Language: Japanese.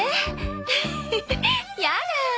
ウフフやだ。